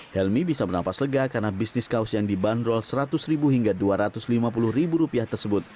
helmy bisa bernafas lega karena bisnis kaos yang dibanderol seratus ribu hingga dua ratus lima puluh ribu rupiah tersebut